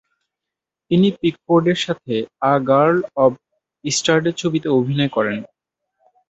তিনি পিকফোর্ডের সাথে আ গার্ল অব ইস্টারডে ছবিতে অভিনয় করেন।